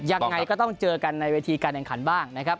ยังไงก็ต้องเจอกันในเวทีการแข่งขันบ้างนะครับ